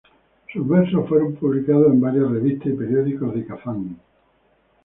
Sus versos fueron publicados en varias revistas y periódicos de Kazán.